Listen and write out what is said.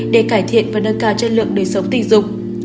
để cải thiện và nâng cao chất lượng đời sống tình dục